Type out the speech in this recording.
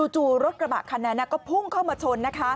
จู่รถกระบะคันนั้นก็พุ่งเข้ามาชน